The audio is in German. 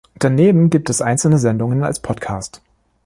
Daneben gibt es einzelne Sendungen als Podcast.